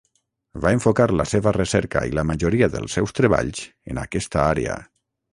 Va enfocar la seva recerca i la majoria dels seus treballs en aquesta àrea.